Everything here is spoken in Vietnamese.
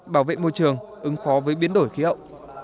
bảo vệ môi trường ứng phó với biến đổi khí hậu